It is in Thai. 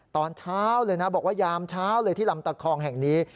ตอนเช้าเลยนะบอกว่ายามเช้าเลยที่ลำตะคองแห่งนี้